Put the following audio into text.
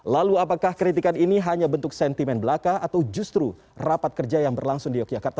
lalu apakah kritikan ini hanya bentuk sentimen belaka atau justru rapat kerja yang berlangsung di yogyakarta